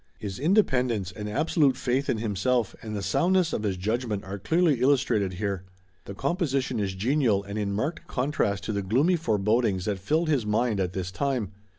His independence and absolute faith in himself and the soundness of his judgment are clearly illustrated here. The composition is genial and in marked contrast to the gloomy forebodings that filled his mind at this time.